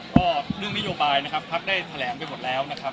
ก็เรื่องนโยบายนะครับพักได้แถลงไปหมดแล้วนะครับ